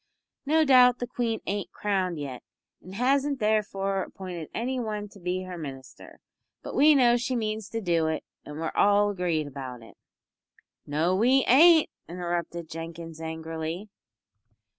"No doubt the Queen ain't crowned yet, an' hasn't therefore appointed any one to be her Minister, but we know she means to do it and we're all agreed about it." "No we ain't," interrupted Jenkins, angrily.